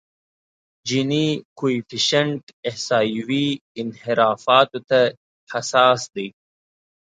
جیني کویفشینټ احصایوي انحرافاتو ته حساس دی.